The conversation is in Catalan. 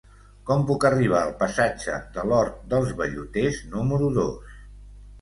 Com puc arribar al passatge de l'Hort dels Velluters número dos?